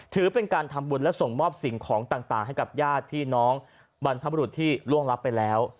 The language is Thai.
ถือเป็นการทำบุญและส่งมอบสิ่งของต่างให้กับญาติพี่น้องบรรพบรุษที่ล่วงรับไปแล้ว